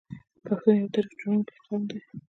پښتون یو تاریخ جوړونکی قوم دی.